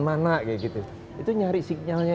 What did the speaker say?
mana kayak gitu itu nyari signalnya